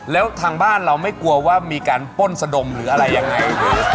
แล้วทางบ้านเราไม่กลัวว่ามีการป้นสะดมหรืออะไรยังไง